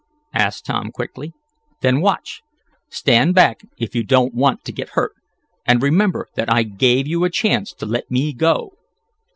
asked Tom quickly. "Then watch. Stand back if you don't want to get hurt, and remember that I gave you a chance to let me go!"